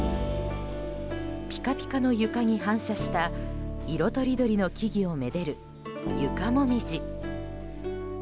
ピカピカの床に反射した色とりどりの木々をめでる床モミジ。